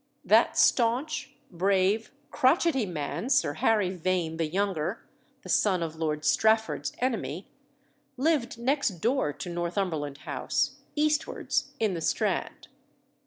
That staunch, brave, crotchety man, Sir Harry Vane the younger (the son of Lord Strafford's enemy), lived next door to Northumberland House, eastwards, in the Strand.